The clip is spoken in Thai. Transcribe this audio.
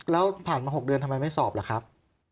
แล้วผ่านมา๖เดือนทำไมไม่สอบล่ะครับ